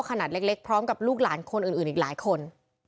ขนาดเล็กพร้อมกับลูกหลานคนอื่นอีกหลายคน